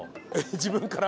自分から？